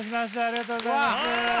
ありがとうございます。